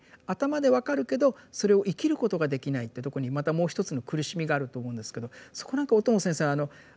頭で分かるけどそれを生きることができないってとこにまたもう一つの苦しみがあると思うんですけどそこは何か小友先生